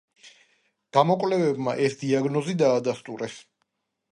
გამოკვლევებმა ეს დიაგნოზი დაადასტურეს.